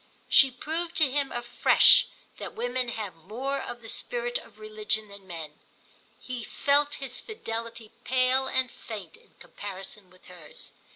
She proved to him afresh that women have more of the spirit of religion than men; he felt his fidelity pale and faint in comparison with hers.